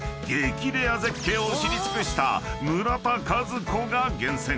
レア絶景を知り尽くした村田和子が厳選］